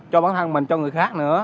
cho bản thân mình cho người khác nữa